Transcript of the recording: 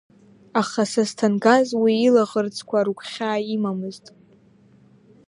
Аха Сасҭангаз уи илаӷырӡқәа рыгәхьаа имамызт.